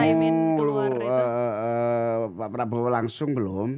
saya ketemu pak prabowo langsung belum